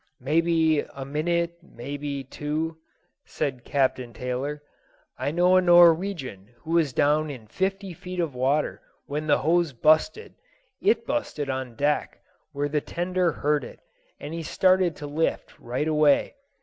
"Mebbe a minute, mebbe two," said Captain Taylor. "I knew a Norwegian who was down in fifty feet of water when the hose busted. It busted on deck, where the tender heard it, and he started to lift, right away.